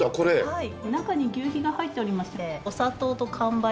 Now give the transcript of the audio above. はい。